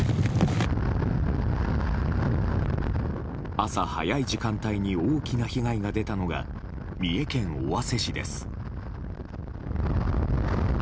朝早い時間に大きな被害が出たのは三重県尾鷲市です。